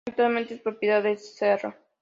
Actualmente es de propiedad de la Sra.